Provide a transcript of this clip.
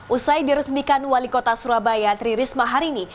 usai diresmikan wali kota surabaya tririsma hari ini